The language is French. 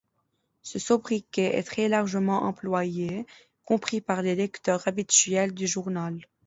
Ce sobriquet est très largement employé, y compris par les lecteurs habituels du journal.